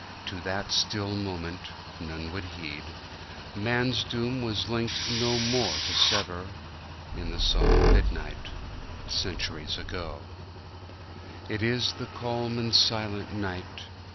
To that still moment, none would heed, Man's doom was linked no more to sever — In the solemn midnight, Centuries ago! It is the calm and silent night!